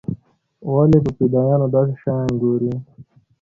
ولې په فدايانو داسې شيان ګوري.